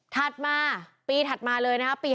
ถัดมาปีถัดมาเลยนะฮะปี๕๐๕๑